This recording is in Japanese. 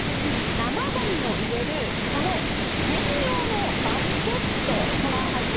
生ゴミを入れるこの専用のバスケットが入っています。